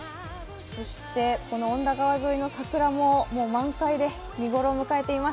そして、恩田川沿いの桜も満開で、見頃を迎えています。